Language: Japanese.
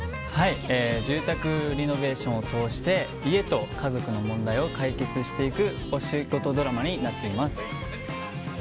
住宅リノベーションを通して家と家族の問題を解決していくお仕事ドラマになっています。